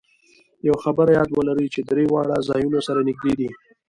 یوه خبره یاد ولرئ چې درې واړه ځایونه سره نږدې دي.